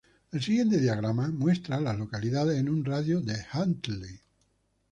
El siguiente diagrama muestra a las localidades en un radio de de Huntley.